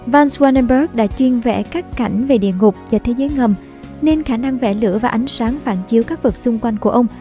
van swanomberg đã chuyên vẽ các cảnh về địa ngục và thế giới ngầm nên khả năng vẽ lửa và ánh sáng phản chiếu các vật xung quanh của ông